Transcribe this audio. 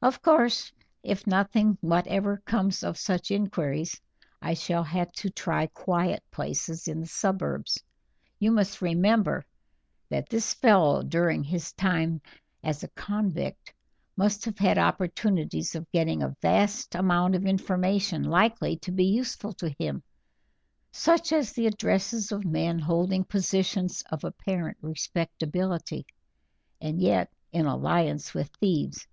Of course, if nothing whatever comes of such inquiries, I shall have to try quiet places in the suburbs; you must remember that this fellow during his time as a convict must have had opportunities of getting a vast amount of information likely to be useful to him, such as the addresses of men holding positions of apparent respectability, and yet in alliance with thieves.